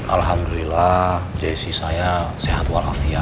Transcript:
alhamdulillah jessy saya sehat walafiat